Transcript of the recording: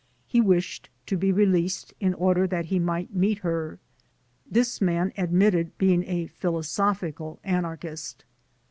He wished to be released in order that he might meet her. This man admitted being a philosophical an archist.